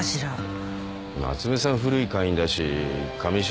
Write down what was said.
夏目さん古い会員だし神代